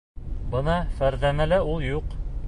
Бына Фәрзәнәлә ул юҡ.